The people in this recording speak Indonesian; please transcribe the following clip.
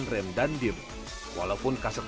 siap bapak ksad